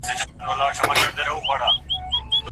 هغه د مسواک د موندلو لپاره بازار ته لاړ.